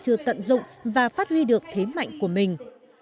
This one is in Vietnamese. chưa tận dụng và phát huy được thế mạnh của mình